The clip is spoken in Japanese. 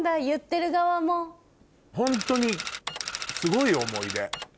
ホントにすごい思い出。